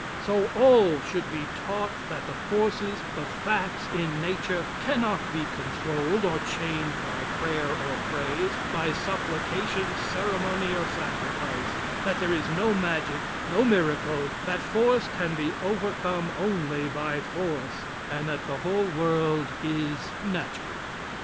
So, all should be taught that the forces, the facts in Nature, cannot be controlled or changed by prayer or praise, by supplication, ceremony, or sacrifice; that there is no magic, no miracle; that force can be overcome only by force, and that the whole world is natural.